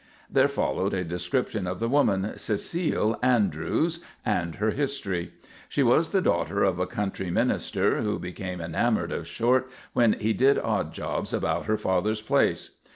There followed a description of the woman, Cecile Andrews, and her history. She was the daughter of a country minister who became enamored of Short when he did odd jobs about her father's place.